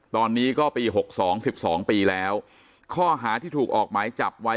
ตอนนี้ก็ปี๖๒๑๒ปีแล้วข้อหาที่ถูกออกหมายจับไว้